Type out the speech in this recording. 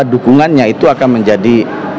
dukungannya itu akan menjadi